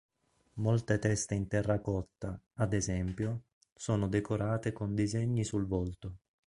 Molte teste in terracotta, ad esempio, sono decorate con disegni sul volto.